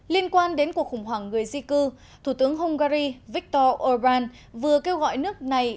liên quan đến cuộc khủng hoảng người di cư thủ tướng hungary viktor orbán vừa kêu gọi nước này